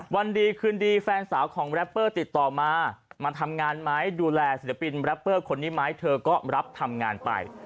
วันดีคืนดีแฟนสาวของแรปเปอร์ติดต่อมามาทำงานไหมดูแลศิลปินแรปเปอร์คนนี้ไหมเธอก็รับทำงานไป